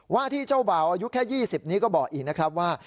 ว่าที่เจ้าบ่าวอายุแค่๒๐นี้ก็บอกอีกนะครับว่า